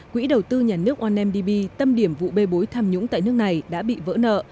quỹ đầu tư nhà nước ondb tâm điểm vụ bê bối tham nhũng tại nước này đã bị vỡ nợ